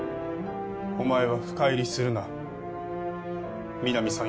お前は深入りするな皆実さん